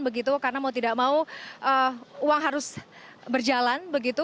begitu karena mau tidak mau uang harus berjalan begitu